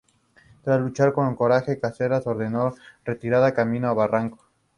Tras luchar con coraje, Cáceres ordenó la retirada camino a Barranco.